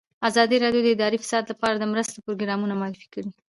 ازادي راډیو د اداري فساد لپاره د مرستو پروګرامونه معرفي کړي.